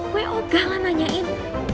gue ogah lah nanyain